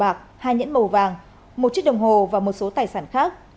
hai nhẫn màu bạc hai nhẫn màu vàng một chiếc đồng hồ và một số tài sản khác